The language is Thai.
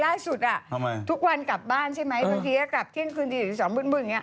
ลูกบอกว่าอย่าไปทำให้คนอื่นแหล้ง